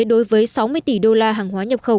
đối với sáu mươi tỷ đô la hàng hóa nhập khẩu